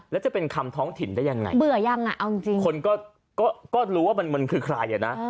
แล้วจะเป็นคำท้องถิ่นได้ยังไงคนก็รู้ว่ามันคือใครอะนะ